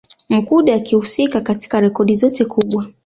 Mkude akihusika katika rekodi zote kubwa